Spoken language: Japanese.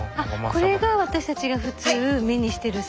これが私たちが普通目にしてるサバで。